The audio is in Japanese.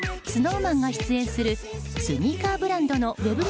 ＳｎｏｗＭａｎが出演するスニーカーブランドのウェブ